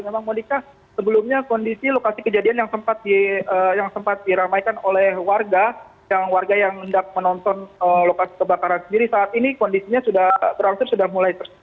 memang modika sebelumnya kondisi lokasi kejadian yang sempat diramaikan oleh warga yang warga yang hendak menonton lokasi kebakaran sendiri saat ini kondisinya sudah berangsur sudah mulai terjadi